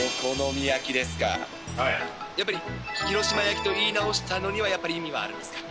やっぱり広島焼きと言い直したのにはやっぱり意味があるんですか？